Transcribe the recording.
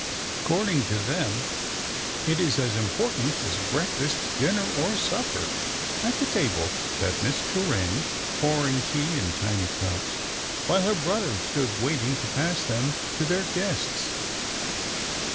Accord ing to them, it's as important as breakfast, dinner or supper." At the table sat Miss Torraine, pouring tea in tiny cups, while her brother stood waiting to pass them to their guests.